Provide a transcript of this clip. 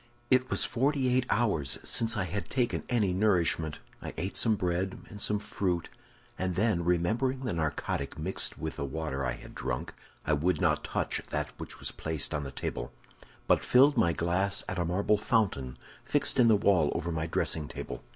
It was forty eight hours since I had taken any nourishment. I ate some bread and some fruit; then, remembering the narcotic mixed with the water I had drunk, I would not touch that which was placed on the table, but filled my glass at a marble fountain fixed in the wall over my dressing table.